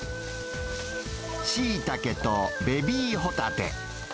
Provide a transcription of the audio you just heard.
シイタケとベビーホタテ。